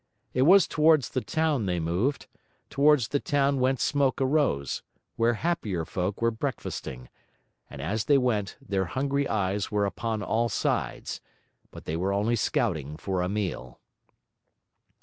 It was towards the town they moved; towards the town whence smoke arose, where happier folk were breakfasting; and as they went, their hungry eyes were upon all sides, but they were only scouting for a meal.